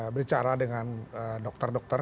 berbicara dengan dokter dokter